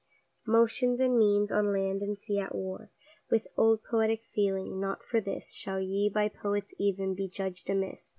MOTIONS and means, on land and sea at war With old poetic feeling; not for this, Shall ye, by Poets even, be judged amiss!